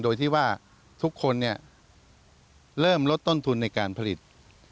โดยที่ว่าทุกคนเริ่มลดต้นทุนในการผลิต